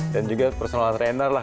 dan juga personal trainer lah